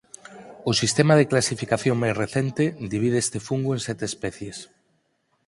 O sistema de clasificación máis recente divide este fungo en sete especies.